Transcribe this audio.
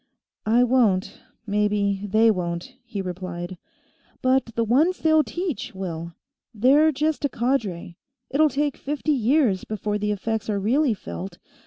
"I won't. Maybe they won't," he replied. "But the ones they'll teach will. They're just a cadre; it'll take fifty years before the effects are really felt.